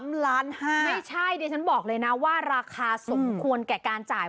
ไม่ใช่ดิฉันบอกเลยนะว่าราคาสมควรแก่การจ่าย